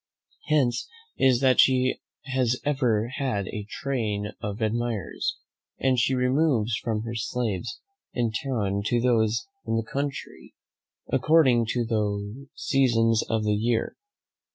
Hence it is that she has ever had a train of admirers, and she removes from her slaves in town to those in the country, according to the seasons of the year.